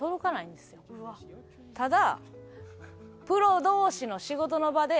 ただ。